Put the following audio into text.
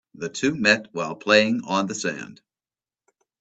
The two met while playing on the sand.